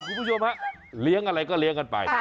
คุณผู้ชมฮะเลี้ยงอะไรก็เลี้ยงกันไป